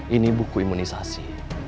ini buku imunisasi